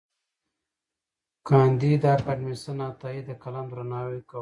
کانديد اکاډميسن عطايي د قلم درناوی کاوه.